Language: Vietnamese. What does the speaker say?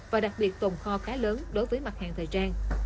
và đặc biệt tồn kho khá lớn đối với mặt hàng thời trang